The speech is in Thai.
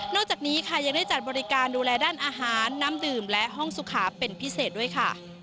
จากนี้ค่ะยังได้จัดบริการดูแลด้านอาหารน้ำดื่มและห้องสุขาเป็นพิเศษด้วยค่ะ